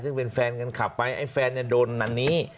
ซึ่งเป็นแฟนกันขับไปไอ้แฟนโดนอันนี้